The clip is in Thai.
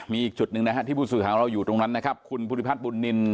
มีอีกจุดหนึ่งนะฮะที่ผู้สื่อของเราอยู่ตรงนั้นนะครับคุณภูริพัฒนบุญนิน